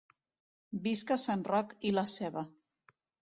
Visca sant Roc i la ceba.